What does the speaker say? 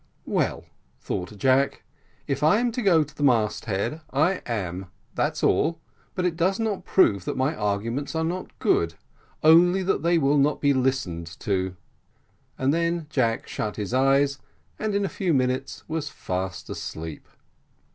"Well," thought Jack, "if I am to go to the mast head, I am, that's all; but it does not prove that my arguments are not good, only that they will not be listened to;" and then Jack shut his eyes, and in a few minutes was fast asleep.